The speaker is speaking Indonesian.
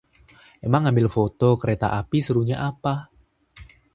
Emang ngambil foto kereta api serunya apa?